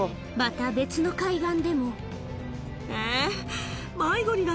また別の海岸でもえぇ。